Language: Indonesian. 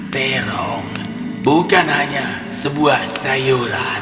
terong bukan hanya sebuah sayuran